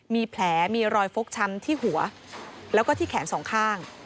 มีแผลมีรอยฟกช้ำที่หัวแล้วก็ที่แขนสองข้าง